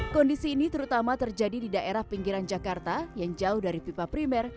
kondisi ini terutama terjadi di daerah pinggiran jakarta yang jauh dari pipa primer